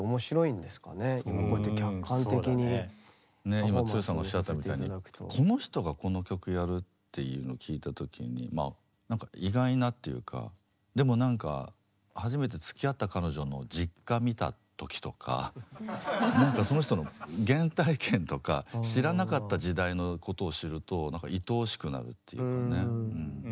今剛さんがおっしゃったみたいにこの人がこの曲やるっていうのを聞いた時にまあ何か意外なっていうかでも何か初めてつきあった彼女の実家見た時とか何かその人の原体験とか知らなかった時代のことを知ると何かいとおしくなるっていうかねうん。